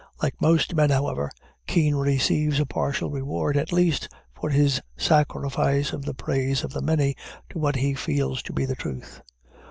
Like most men, however, Kean receives a partial reward, at least, for his sacrifice of the praise of the many to what he feels to be the truth.